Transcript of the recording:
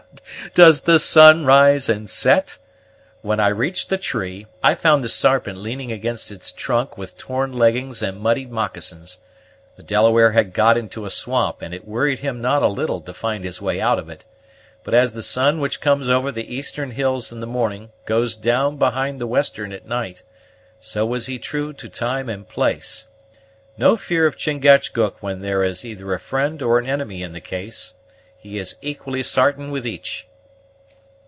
"Does the sun rise and set? When I reached the tree, I found the Sarpent leaning against its trunk with torn leggings and muddied moecassins. The Delaware had got into a swamp, and it worried him not a little to find his way out of it; but as the sun which comes over the eastern hills in the morning goes down behind the western at night, so was he true to time and place. No fear of Chingachgook when there is either a friend or an enemy in the case. He is equally sartain with each."